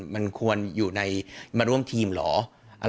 มันควรอยู่ในมาร่วมทีมเหรอ